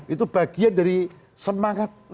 itu bagian dari semangat